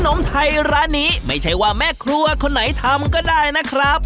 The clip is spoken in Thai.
นมไทยร้านนี้ไม่ใช่ว่าแม่ครัวคนไหนทำก็ได้นะครับ